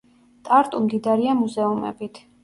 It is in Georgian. ტარტუ მდიდარია მუზეუმებით.